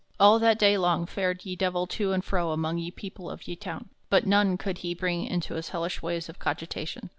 All that day long fared ye Divell to and fro among ye people of ye town, but none colde he bring into his hellish way of cogitation.